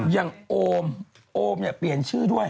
ยังโอมโอมเปลี่ยนชื่อด้วย